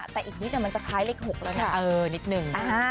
๐๑๕แต่อีกนิดนึงมันจะคล้ายเลข๖แล้วนะเออนิดนึง